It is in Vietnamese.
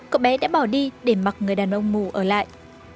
cậu bé đã bỏ đi để mặc người đàn ông mù ở lại